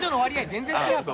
全然違うぞ。